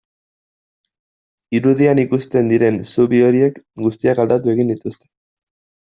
Irudian ikusten diren zubi horiek guztiak aldatu egin dituzte.